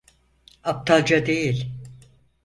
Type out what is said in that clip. Aptalca değil.